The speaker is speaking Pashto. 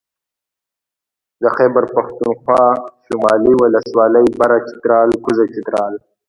د خېبر پښتونخوا شمالي ولسوالۍ بره چترال کوزه چترال